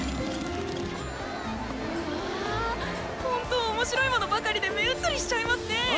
ほんと面白いものばかりで目移りしちゃいますね！